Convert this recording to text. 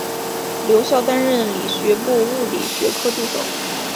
留校担任理学部物理学科助手。